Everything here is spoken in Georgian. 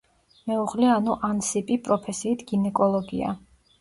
მეუღლე ანუ ანსიპი პროფესიით გინეკოლოგია.